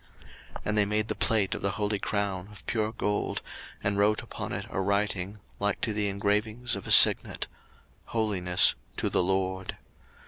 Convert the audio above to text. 02:039:030 And they made the plate of the holy crown of pure gold, and wrote upon it a writing, like to the engravings of a signet, HOLINESS TO THE LORD.